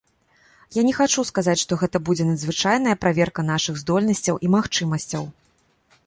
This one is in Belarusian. Я не хачу сказаць, што гэта будзе надзвычайная праверка нашых здольнасцяў і магчымасцяў.